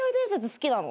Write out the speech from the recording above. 好きなの？